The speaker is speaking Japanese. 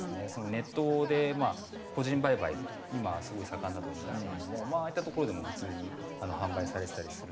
ネットで個人売買今すごい盛んだと思うんですけれどもああいったところでも普通に販売されてたりするので。